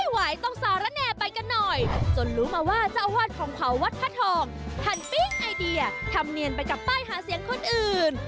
ฮั่นปิ๊กไอเดียทำเนียนไปกับป้ายหาเสียงคนอื่น